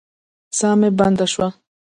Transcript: ساه مې بنده شوه.